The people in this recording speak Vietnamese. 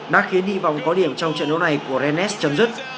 đã khiến hy vọng có điểm trong trận đấu này của rennes chấm dứt